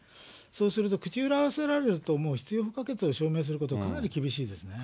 そうすると、口裏合わせられると、もう必要不可欠を証明すること、かなり厳しいですよね。